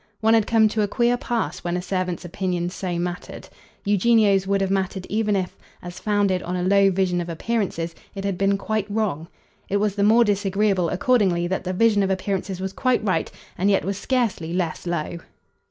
One had come to a queer pass when a servant's opinion so mattered. Eugenio's would have mattered even if, as founded on a low vision of appearances, it had been quite wrong. It was the more disagreeable accordingly that the vision of appearances was quite right, and yet was scarcely less low.